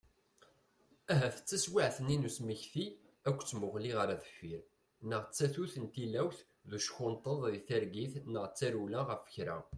Ahat d taswiɛt-nni n usmekti akked tmuɣli ɣer deffir, neɣ d tatut n tilawt d uckenṭeḍ di targit, neɣ d tarewla ɣef kra.